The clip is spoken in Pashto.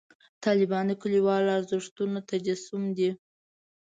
طالبان د کلیوالو ارزښتونو تجسم دی.